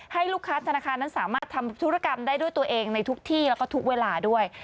ให้ลูกค้าธนาคารนั้นสามารถทำธุรกรรมได้ด้วยตัวเองในทุกที่แล้วก็ทุกเวลาด้วย